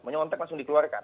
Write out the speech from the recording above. menyontek langsung dikeluarkan